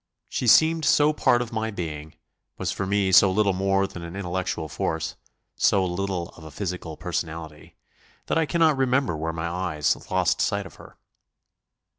She seemed so part of my being, was for me so little more than an intellectual force, so little of a physical personality, that I cannot remember where my eyes lost sight of her.